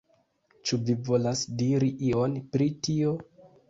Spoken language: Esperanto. Ĉu ni volas diri ion pri tio?